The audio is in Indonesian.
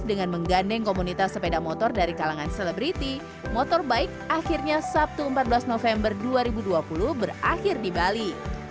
dengan menggandeng komunitas sepeda motor dari kalangan selebriti motorbike akhirnya sabtu empat belas november dua ribu dua puluh berakhir di bali